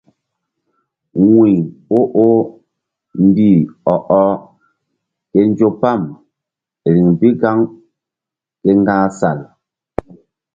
Wuy o oh mbih ɔ ɔh ke nzo pam riŋ bi gaŋ ke ŋga̧h sal.